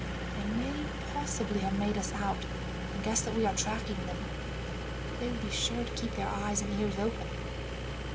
They may possibly have made us out, and guess that we are tracking them. They would be sure to keep their eyes and ears open."